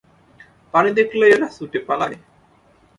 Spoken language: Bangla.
পানি দেখলেই এরা ছুটে পালায়।